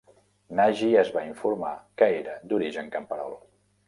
Nagy es va informar que era d'origen camperol.